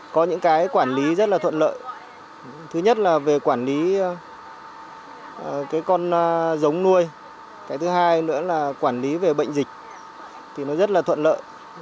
có những cái quản lý rất là thuận lợi thứ nhất là về quản lý cái con giống nuôi cái thứ hai nữa là quản lý về bệnh dịch thì nó rất là thuận lợi